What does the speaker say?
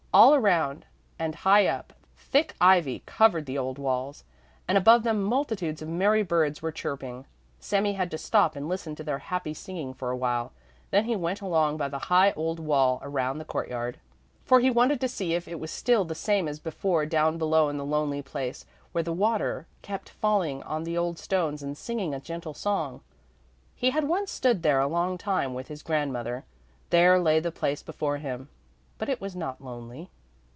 All around and high up thick ivy covered the old walls, and above them multitudes of merry birds were chirping. Sami had to stop and listen to their happy singing for a while, then he went along by the high old wall around the courtyard, for he wanted to see if it was still the same as before down below in the lonely place where the water kept falling on the old stones and singing a gentle song. He had once stood there a long time with his grandmother. There lay the place before him, but it was not lonely.